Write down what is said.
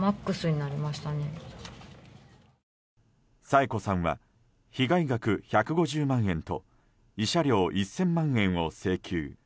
佐永子さんは被害額１５０万円と慰謝料１０００万円を請求。